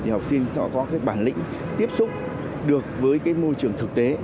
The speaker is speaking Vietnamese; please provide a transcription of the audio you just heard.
học sinh sẽ có bản lĩnh tiếp xúc được với môi trường thực tế